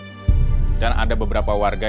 saya sudah berada di rumah